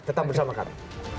tetap bersama kami